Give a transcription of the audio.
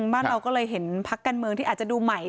บ้านเราก็เลยเห็นพักการเมืองที่อาจจะดูใหม่